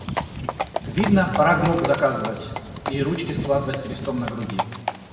Видно, пора гроб заказывать и ручки складывать крестом на груди.